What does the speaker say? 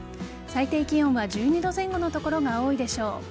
最低気温は１２度前後の所が多いでしょう。